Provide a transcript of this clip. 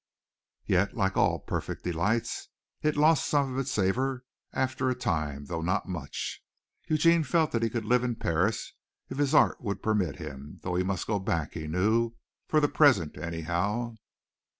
Yet like all perfect delights, it lost some of its savour after a time, though not much. Eugene felt that he could live in Paris if his art would permit him though he must go back, he knew, for the present anyhow.